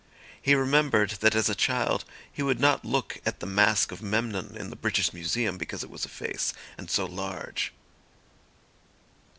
He remembered that as a child he would not look at the mask of Memnon in the British Museum, because it was a face, and so large.